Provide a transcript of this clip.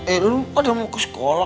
eh lu kan yang mau ke sekolah